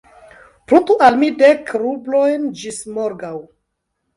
Pruntu al mi dek rublojn ĝis morgaŭ.